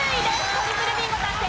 トリプルビンゴ達成！